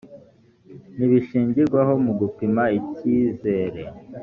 n ibishingirwaho mu gupima icyizere